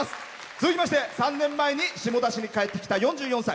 続きまして３年前に下田市に帰ってきた４４歳。